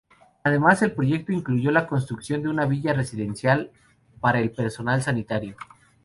Además, el proyecto incluyó la construcción de una villa residencial para el personal sanitario.